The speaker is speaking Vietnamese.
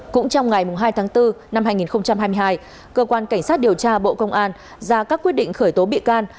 cũng trong ngày hai tháng bốn năm hai nghìn hai mươi hai cơ quan cảnh sát điều tra bộ công an ra các quyết định khởi tố bị can